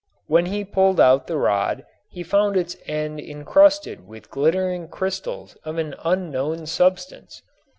When he pulled out the rod he found its end encrusted with glittering crystals of an unknown substance.